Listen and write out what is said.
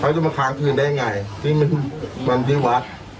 เขาจะมาค้างคืนได้ยังไงที่วันที่วัด